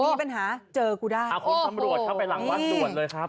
มีปัญหาเจอกูได้เอาของตำรวจเข้าไปหลังวัดด่วนเลยครับ